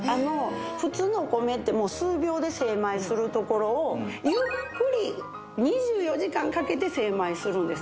普通のお米って数秒で精米するところをゆっくり２４時間かけて精米するんです